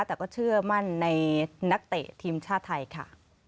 แต่ก็เชื่อมั่นในนักเตะทีมชาติไทยค่ะ